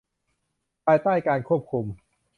ภายใต้การควบคุม